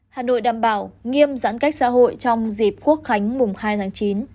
hà nội đảm bảo nghiêm giãn cách xã hội trong dịp quốc khánh mùng hai tháng chín